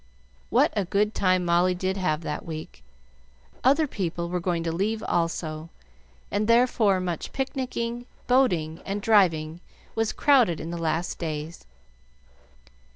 What a good time Molly did have that week! Other people were going to leave also, and therefore much picnicking, boating, and driving was crowded into the last days.